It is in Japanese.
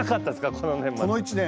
この１年？